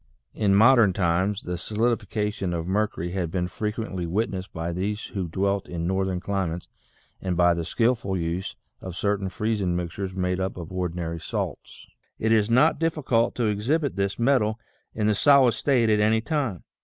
In modern times the solidification of mercury had been frequently witnessed by these who dwelt in northern cli mates and by the skilful use of certain freezing mixtures made up of ordinary salts, it is not difficult to exhibit this metal in the solid state at any time.